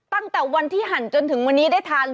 ตั้งแต่วันที่หั่นจนถึงวันนี้ได้ทาน